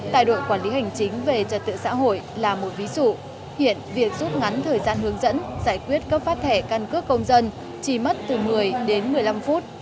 tại đội quản lý hành chính về trật tự xã hội là một ví dụ hiện việc rút ngắn thời gian hướng dẫn giải quyết cấp phát thẻ căn cước công dân chỉ mất từ một mươi đến một mươi năm phút